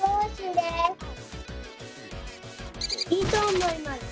いいとおもいます。